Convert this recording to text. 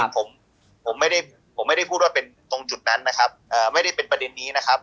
ผมผมไม่ได้ผมไม่ได้พูดว่าเป็นตรงจุดนั้นนะครับไม่ได้เป็นประเด็นนี้นะครับ